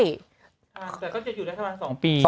แต่ก็จะอยู่รัฐบาล๒ปี